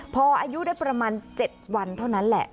พออายุได้ประมาณ๗วันเท่านั้นแหละ